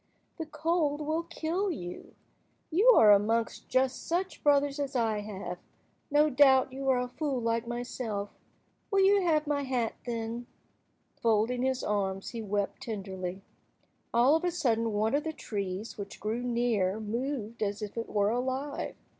The cold will kill you. You are amongst just such brothers as I have. No doubt you are a fool like myself. Will you have my hat, then?" Folding his arms, he wept tenderly. All of a sudden one of the trees which grew near moved as if it were alive.